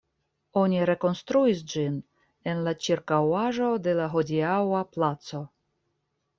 Oni rekonstruis ĝin en la ĉirkaŭaĵo de la hodiaŭa "Placo".